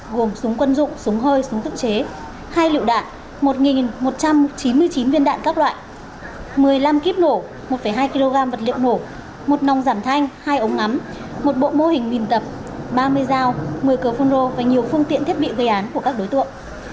gồm súng quân dụng súng hơi súng tự chế hai lựu đạn một một trăm chín mươi chín viên đạn các loại một mươi năm kíp nổ một hai kg vật liệu nổ một nòng giảm thanh hai ống ngắm một bộ mô hình mìn tập ba mươi dao một mươi cờ phun rô và nhiều phương tiện thiết bị gây án của các đối tượng